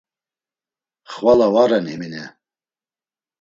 Xvala varen Emine.